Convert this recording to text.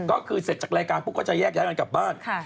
ก็คือเสร็จจากรายการปุ๊บก็จะแยกย้ายกันกลับบ้าน